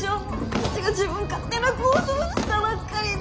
私が自分勝手な行動したばっかりに。